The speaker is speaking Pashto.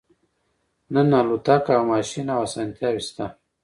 نن الوتکه او ماشین او اسانتیاوې شته